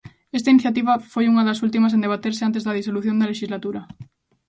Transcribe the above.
Esta iniciativa foi unha das últimas en debaterse antes da disolución da lexislatura.